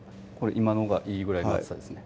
今のがいいぐらいの厚さですね